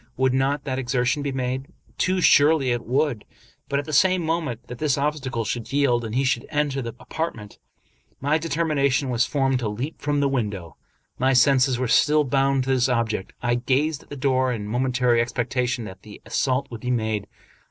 Would not that exertion be made? Too surely it would; but, at the same moment that this obstacle should yield and he should enter the apartment, my determination was formed to leap from the window. My senses were still bound to this object. I gazed at the door in momentary expectation that the as sault would be made.